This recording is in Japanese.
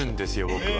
僕は。